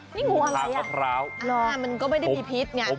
นี่แงวอะไรมันก็ไม่ได้สีพิษไงอ่ะงูทางท้อง